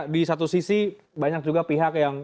di satu sisi banyak juga pihak yang